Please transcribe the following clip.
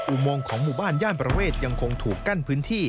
อุโมงของหมู่บ้านย่านประเวทยังคงถูกกั้นพื้นที่